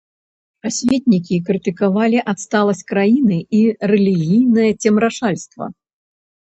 Асветнікі крытыкавалі адсталасць краіны і рэлігійнае цемрашальства.